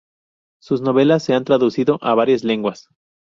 Sus novelas se han traducido a varias lenguas.